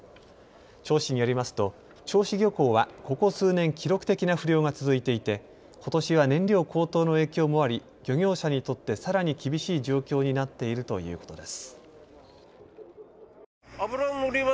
銚子市によりますと銚子漁港はここ数年、記録的な不漁が続いていてことしは燃料高騰の影響もあり漁業者にとってさらに厳しい状況になっているということです。